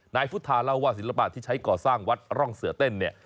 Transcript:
นายพุทธาเล่าว่าศิลปะที่ใช้ก่อสร้างวัดร่องเสือเต้นเนี่ย